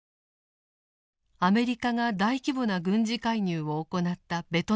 アメリカが大規模な軍事介入を行ったベトナム戦争。